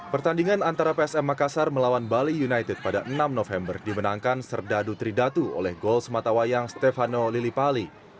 pertandingan antara psm makassar melawan bali united pada enam november dimenangkan serdadu tridatu oleh gol sematawayang stefano lillipali